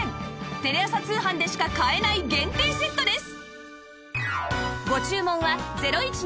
テレ朝通販でしか買えない限定セットです